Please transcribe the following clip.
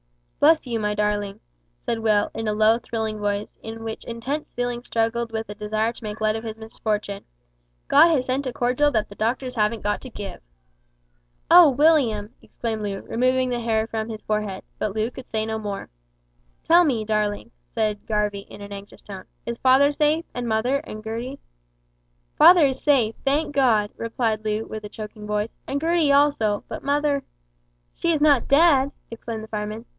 "Bless you, my darling," said Will, in a low thrilling voice, in which intense feeling struggled with the desire to make light of his misfortune; "God has sent a cordial that the doctors haven't got to give." "O William!" exclaimed Loo, removing the hair from his forehead but Loo could say no more. "Tell me, darling," said Garvie, in an anxious tone, "is father safe, and mother, and Gertie?" "Father is safe, thank God," replied Loo, with a choking voice, "and Gertie also, but mother " "She is not dead?" exclaimed the fireman.